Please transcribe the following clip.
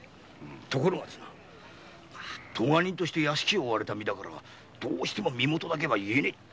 ところが科人として屋敷を追われた身だから身もとだけは言えねえと。